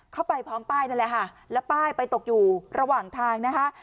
เข้าไปพร้อมป้ายนั่นแหละค่ะแล้วป้ายไปตกอยู่ระหว่างทางนะคะ